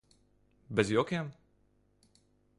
Bez jokiem?